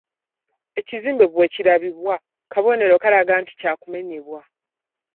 Ekizimbe bwe kirambibwa, kabonero akalaga nti kya kumenyebwa.